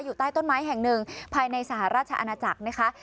ใต้ต้นไม้แห่งหนึ่งภายในสหราชอาณาจักรนะคะ